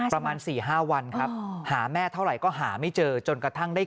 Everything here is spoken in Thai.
ประมาณ๔๕วันครับหาแม่เท่าไหร่ก็หาไม่เจอจนกระทั่งได้